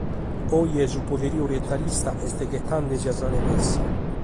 Oe su poderiu orientalista est ghetende·si a sa revessa.